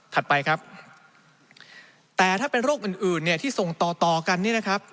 ถัดไปครับแต่ถ้าเป็นโรคอื่นเนี่ยที่ทรงต่อกันเนี่ยนะครับ